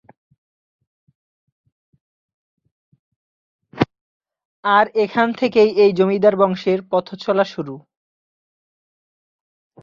আর এখানে থেকেই এই জমিদার বংশের পথচলা শুরু।